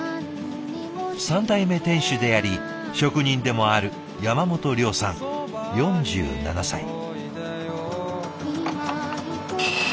３代目店主であり職人でもある山本竜さん４７歳。